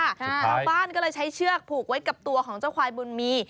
ชาวบ้านก็เลยใช้เชือกผูกไว้กับตัวของเจ้าควายบุญมี